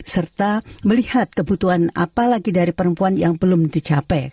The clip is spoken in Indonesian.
serta melihat kebutuhan apalagi dari perempuan yang belum dicapai